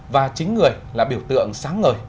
và chính người là biểu tượng sáng ngời